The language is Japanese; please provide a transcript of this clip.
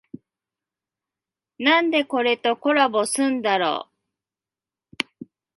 なんでこれとコラボすんだろ